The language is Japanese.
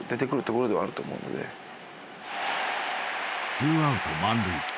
ツーアウト満塁。